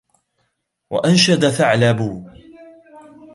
وَأَنْشَدَ ثَعْلَبٌ